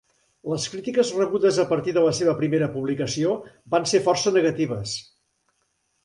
Les crítiques rebudes a partir de la seva primera publicació van ser força negatives.